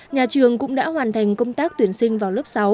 nhà trường cũng đã hoàn thành công tác tuyển sinh vào lớp sáu